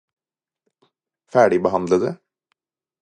ferdigbehandlede